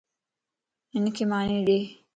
ھنک ماني ڏي